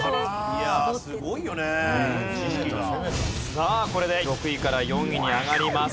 さあこれで６位から４位に上がります。